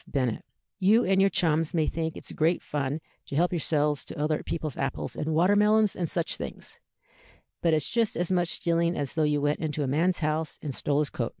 Bennet; you and your chums may think it's great fun to help yourselves to other people's apples and water melons and such things, but it's just as much stealing as though you went into a man's house and stole his coat.'